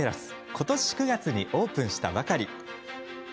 今年９月にオープンしたばかり。